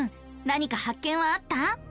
なにか発見はあった？